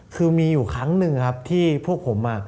คือมีอยู่ครั้งหนึ่งครับที่พวกผม